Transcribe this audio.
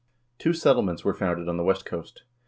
Two settlements were founded on the west coast.